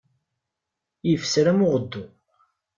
Ifser, am uɣeddu.